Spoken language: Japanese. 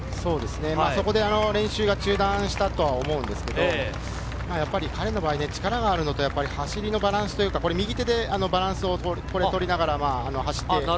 そこで練習が中断したと思うんですけど、彼の場合、力があるのと走りのバランスというか、右手でバランスをとりながら走って。